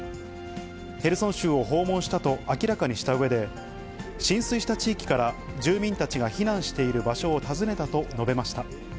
ヘルソン州を訪問したと明らかにしたうえで、浸水した地域から住民たちが避難している場所を訪ねたと述べました。